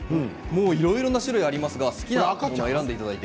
いろいろな種類がありますが好きなもの選んでいただいて。